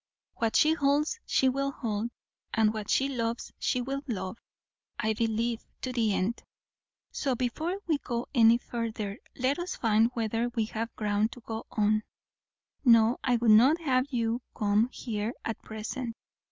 What she holds she will hold; what she loves she will love, I believe, to the end. So, before we go any further, let us find whether we have ground to go on. No, I would not have you come here at present.